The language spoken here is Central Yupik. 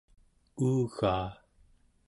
uugaa